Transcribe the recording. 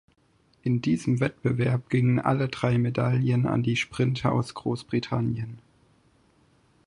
In diesem Wettbewerb gingen alle drei Medaillen an die Sprinter aus Großbritannien.